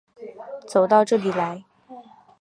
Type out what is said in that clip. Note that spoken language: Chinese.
走到这里来